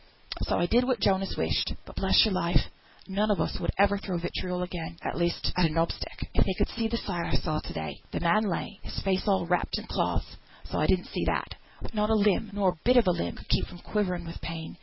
So I did what Jonas wished. But bless your life, none on us would ever throw vitriol again (at least at a knob stick) if they could see the sight I saw to day. The man lay, his face all wrapped in cloths, so I didn't see that; but not a limb, nor a bit of a limb, could keep from quivering with pain.